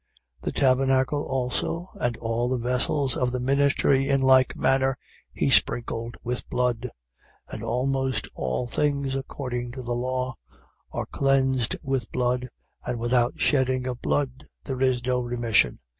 9:21. The tabernacle also and all the vessels of the ministry, in like manner, he sprinkled with blood. 9:22. And almost all things, according to the law, are cleansed with blood: and without shedding of blood there is no remission.